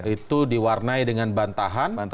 itu diwarnai dengan bantahan